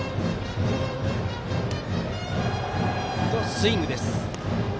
スイングです。